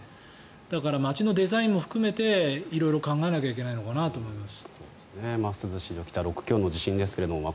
だから街のデザインも含めて考えなきゃいけないのかなと思います。